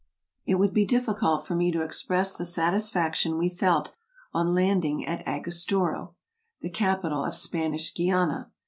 It would be difficult for me to express the satisfaction we ■ felt on landing at Angostura [the capital of Spanish Guiana].